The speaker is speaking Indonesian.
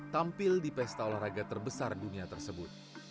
tampil di pesta olahraga terbesar dunia tersebut